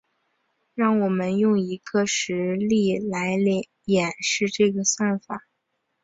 让我们用一个实例来演示这个算法。